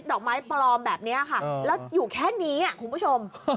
อกไม้ปลอมแบบนี้ค่ะแล้วอยู่แค่นี้คุณผู้ชม